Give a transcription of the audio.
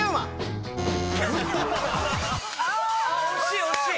惜しい惜しい！